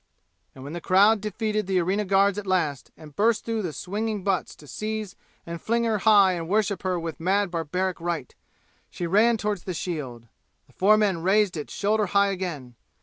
And when the crowd defeated the arena guards at last and burst through the swinging butts to seize and fling her high and worship her with mad barbaric rite, she ran toward the shield. The four men raised it shoulder high again.